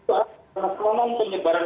yang terakhir saya ingin menyampaikan